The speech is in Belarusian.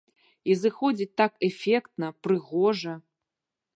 І зыходзіць так эфектна, прыгожа.